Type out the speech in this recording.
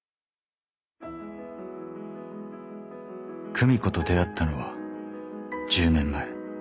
久美子と出会ったのは１０年前。